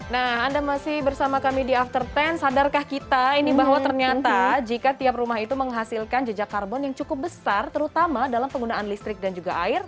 nah anda masih bersama kami di after sepuluh sadarkah kita ini bahwa ternyata jika tiap rumah itu menghasilkan jejak karbon yang cukup besar terutama dalam penggunaan listrik dan juga air